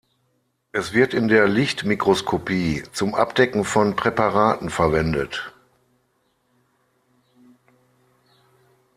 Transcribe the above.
Es wird in der Lichtmikroskopie zum Abdecken von Präparaten verwendet.